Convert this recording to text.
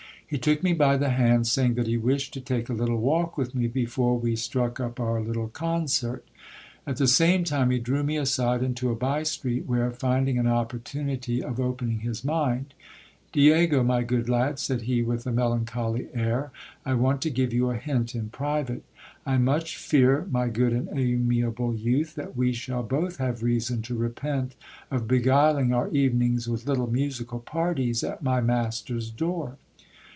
He took me by the hand : saying that he wished to take a little walk with me before we struck up our little concert. At the same time he drew me aside into a by street, where, find ing an opportunity of opening his mind : Diego, my good lad, said he with a melancholy air, I want to give you a hint in private. I much fear, my good and amiable youth, that we shall both have reason to repent of beguiling our evenings with little musical parties at my master's door.